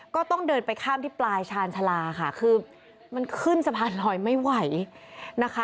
ก็ต้องเดินไปข้ามที่ปลายชาญชาลาค่ะคือมันขึ้นสะพานลอยไม่ไหวนะคะ